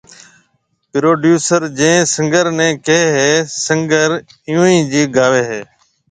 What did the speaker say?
پروڊيوسر جين سنگر ني ڪي ھيَََ سنگر ايئونج گاوي ھيَََ